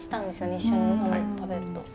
一緒に食べると。